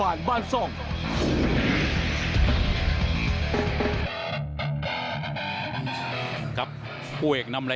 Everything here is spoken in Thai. นักมวยจอมคำหวังเว่เลยนะครับ